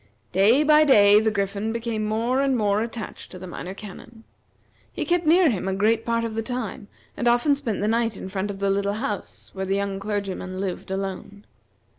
Day by day the Griffin became more and more attached to the Minor Canon. He kept near him a great part of the time, and often spent the night in front of the little house where the young clergyman lived alone.